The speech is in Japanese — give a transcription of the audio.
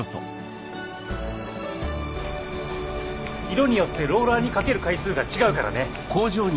色によってローラーにかける回数が違うからね。